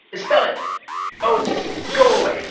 Spell it! Oh, go away!